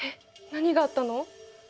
何があったの？